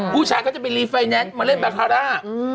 ผู้ชายเขาจะไปรีไฟแนนซ์มาเล่นบาคาร่า